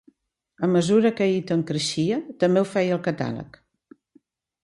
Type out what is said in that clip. A mesura que Eaton creixia, també ho feia el catàleg.